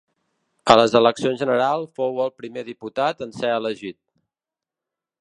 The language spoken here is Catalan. A les eleccions generals fou el primer diputat a ser elegit.